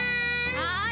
はい！